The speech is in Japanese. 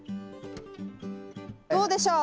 どうでしょう？